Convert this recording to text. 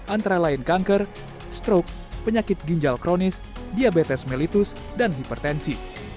antara lain kanker stroke penyakit ginjal kronis diabetes mellitus dan hipertensi